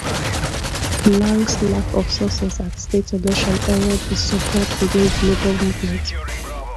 Lang's lack of success at state elections eroded his support within the labour movement.